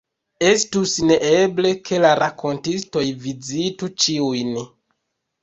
Estus neeble, ke la rakontistoj vizitu ĉiujn.